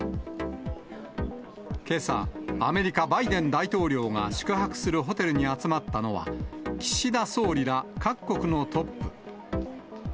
けさ、アメリカ、バイデン大統領が宿泊するホテルに集まったのは、岸田総理ら各国のトップ。